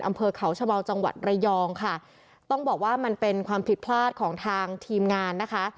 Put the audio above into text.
อำเภอเขาชะเบาจังหวัดระยองค่ะต้องบอกว่ามันเป็นความผิดพลาดของทางทีมงานนะคะ